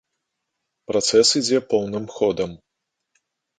Працэс ідзе поўным ходам.